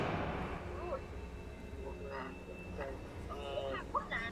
现在正进行月台幕门设置工程。